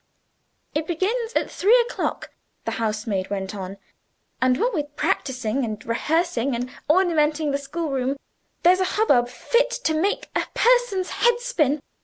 "It begins at three o'clock," the housemaid went on, "and, what with practicing and rehearsing, and ornamenting the schoolroom, there's a hubbub fit to make a person's head spin.